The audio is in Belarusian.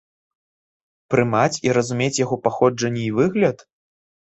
Прымаць і разумець яго паходжанне і выгляд?